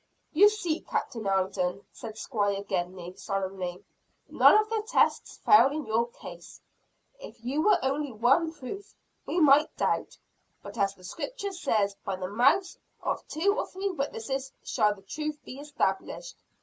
"You see Captain Alden," said Squire Gedney solemnly, "none of the tests fail in your case. If there were only one proof, we might doubt; but as the Scripture says, by the mouths of two or three witnesses shall the truth be established.